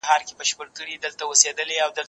زه د ښوونځی لپاره تياری کړی دی؟